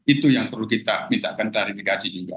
itu yang perlu kita mintakan klarifikasi juga